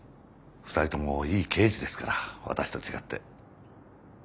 ２人ともいい刑事ですから私と違って。